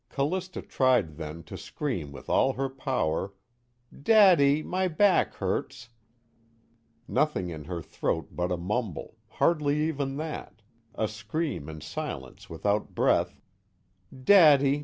Callista tried then to scream with all her power: "Daddy! My back hurts " nothing in her throat but a mumble, hardly even that, a scream in silence without breath: "Daddy!